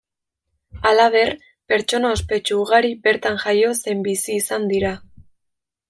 Halaber, pertsona ospetsu ugari bertan jaio zein bizi izan dira.